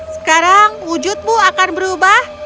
sekarang wujudmu akan berubah